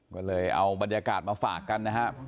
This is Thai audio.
ก็เลยเอาบรรยากาศมาฝากกันนะครับ